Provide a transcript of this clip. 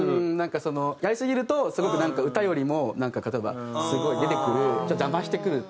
やりすぎるとすごくなんか歌よりもなんか例えばすごい出てくる邪魔してくるとか。